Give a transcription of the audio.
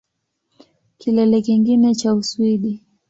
Kilele kingine cha Uswidi